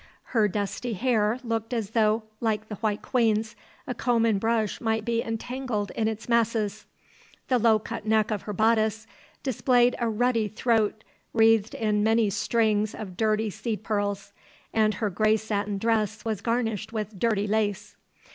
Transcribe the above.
Her dusty hair looked as though, like the White Queen's, a comb and brush might be entangled in its masses; the low cut neck of her bodice displayed a ruddy throat wreathed in many strings of dirty seed pearls, and her grey satin dress was garnished with dirty lace.